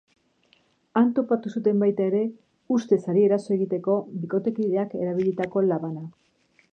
Han topatu zuten baita ere, ustez hari eraso egiteko bikotekideak erabilitako labana.